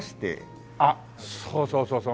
あっそうそうそうそう。